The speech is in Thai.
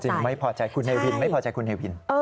ไม่พอใจคุณเฮวินไม่พอใจคุณเฮวิน